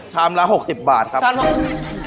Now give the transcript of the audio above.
ชามละ๖๐บาทครับ